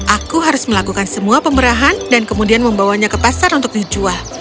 aku harus melakukan semua pemerahan dan kemudian membawanya ke pasar untuk dijual